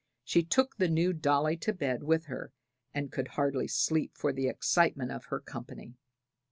She took the new dolly to bed with her, and could hardly sleep, for the excitement of her company.